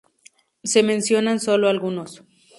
Se mencionan sólo algunos.